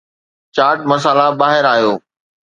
چاٽ مسالا ٻاهر آيو